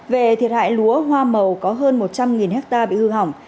về thiệt hại lúa hoa màu có hơn một trăm linh hectare bị hư hỏng